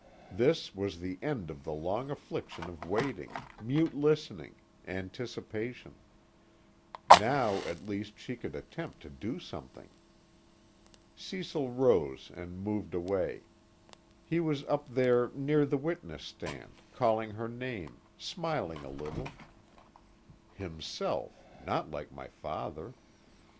This was the end of the long affliction of waiting, mute listening, anticipation: now at least she could attempt to do something. Cecil rose and moved away; he was up there near the witness stand, calling her name, smiling a little _Himself, not like my father.